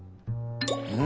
うん？